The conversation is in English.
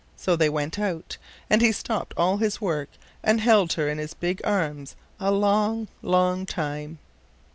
So they went out, and he stopped all his work and held her in his arms a long, long time.